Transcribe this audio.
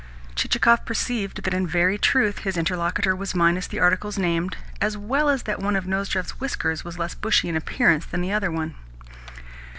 Chichikov perceived that in very truth his interlocutor was minus the articles named, as well as that one of Nozdrev's whiskers was less bushy in appearance than the other one.